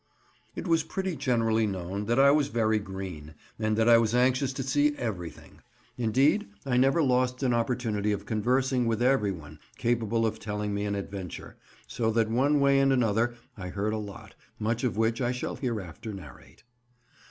It was pretty generally known that I was very green, and that I was anxious to see everything; indeed, I never lost an opportunity of conversing with everyone capable of telling me an adventure; so that one way and another I heard a lot, much of which I shall hereafter narrate.